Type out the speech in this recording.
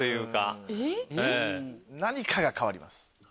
何かが変わります